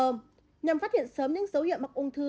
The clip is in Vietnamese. nhằm phát hiện sớm những dấu hiệu mắc ung thư